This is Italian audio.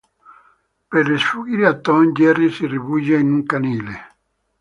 Per sfuggire a Tom, Jerry si rifugia in un canile.